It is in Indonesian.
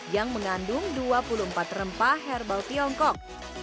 yang mengandung dua puluh empat rempah herbal tiongkok